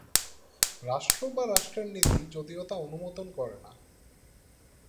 রাষ্ট্র বা রাষ্ট্রের নীতি যদিও তা অনুমোদন করেনা।